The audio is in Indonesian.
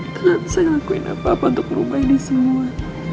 aku tak bisa lakuin apa apa untuk merubah ini semua